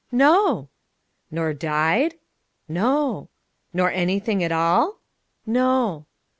"No!" "Nor died?" "No." "Nor anything at all?" "No."